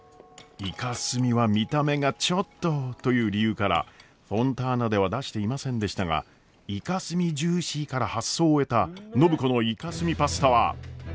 イカスミは見た目がちょっとという理由からフォンターナでは出していませんでしたがイカスミジューシーから発想を得た暢子のイカスミパスタは。